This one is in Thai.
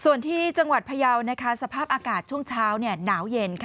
ส่วนที่จังหวัดพยาวสภาพอากาศช่วงเช้าหนาวเย็น